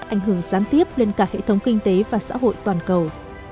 ảnh hưởng gián tiếp lên cả hệ thống kinh tế và xã hội toàn cầu